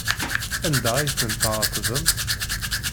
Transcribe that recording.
Anda ay tent-tɛettbemt?